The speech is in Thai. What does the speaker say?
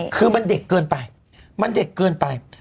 คือมันเด็กเกินไปมันเด็กเกินไป